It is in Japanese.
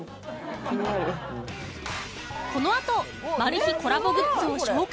このあとマル秘コラボグッズを紹介！